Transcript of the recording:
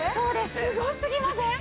すごすぎません？